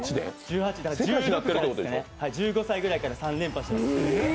１５歳ぐらいから３連覇してます。